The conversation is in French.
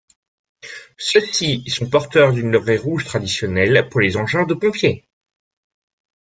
Ceux-ci sont porteurs d'une livrée rouge traditionnelle pour les engins de pompiers.